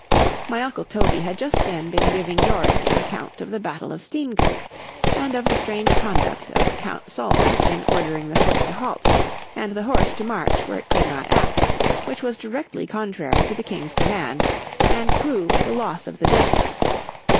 _ My uncle Toby had just then been giving Yorick an account of the Battle of Steenkirk, and of the strange conduct of count Solmes in ordering the foot to halt, and the horse to march where it could not act; which was directly contrary to the king's commands, and proved the loss of the day.